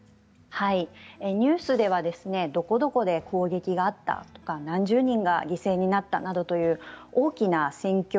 ニュースではどこどこで攻撃があったとか何十人が犠牲になったという大きな戦況